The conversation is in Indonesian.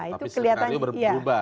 jadi kelihatannya berubah